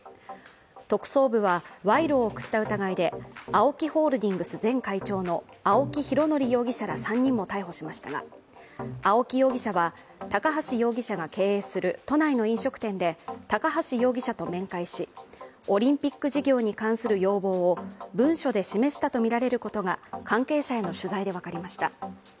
特捜部は賄賂を贈った疑いでＡＯＫＩホールディングス前会長の青木拡憲容疑者ら３人も逮捕しましたが青木容疑者は、高橋容疑者が経営する都内の飲食店で高橋容疑者と面会しオリンピック事業に関する要望を文書で示したとみられることが関係者への取材で分かりました。